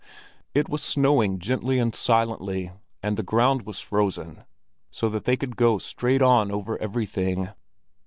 It was snowing gently and silently, and the ground was frozen so that they could go straight on over everything.